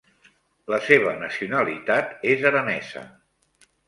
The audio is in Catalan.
La seva nacionalitat és aranesa.